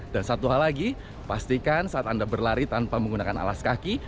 dan satu hal lagi pastikan saat anda berlari tanpa menggunakan alas kaki